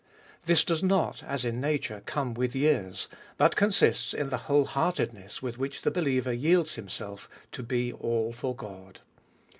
This does not, as in nature, come with years, but consists in the whole heartedness with which the believer yields himself to be all for God.